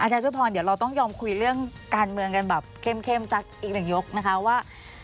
เจ้าพรเดี๋ยวเราต้องยอมคุยเรื่องการเมืองกันแบบเข้มสักอีกหนึ่งยกนะคะว่า